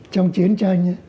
trong chiến tranh